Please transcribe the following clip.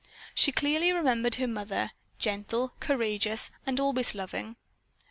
She clearly remembered her mother, gentle, courageous and always loving.